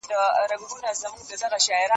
چي رقیب ستا په کوڅه کي زما سایه وهل په توره